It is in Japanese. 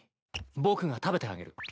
僕が食べてあげる。